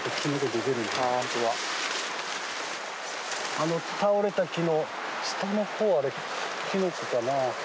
あの倒れた木の下のほうあれキノコかな。